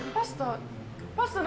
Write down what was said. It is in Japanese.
パスタ？